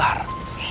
lo harus sabar